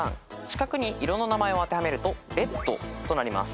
四角に色の名前を当てはめると「レッド」となります。